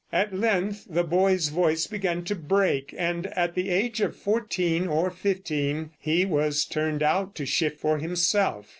At length the boy's voice began to break, and at the age of fourteen or fifteen, he was turned out to shift for himself.